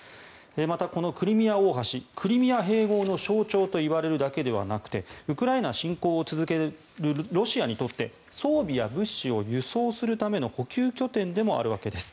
また、このクリミア大橋クリミア併合の象徴と言われるだけではなくてウクライナ侵攻を続けるロシアにとって装備や物資を輸送するための補給拠点でもあるわけです。